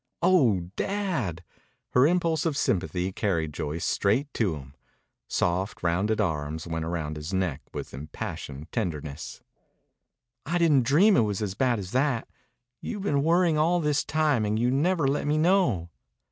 "Oh, Dad!" Her impulse of sympathy carried Joyce straight to him. Soft, rounded arms went round his neck with impassioned tenderness. "I didn't dream it was as bad as that. You've been worrying all this time and you never let me know."